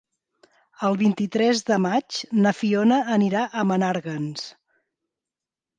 El vint-i-tres de maig na Fiona anirà a Menàrguens.